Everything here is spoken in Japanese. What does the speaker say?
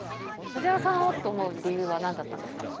藤原さんをと思う理由はなんだったんですか？